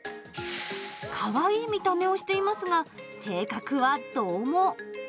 かわいい見た目をしていますが、性格はどう猛。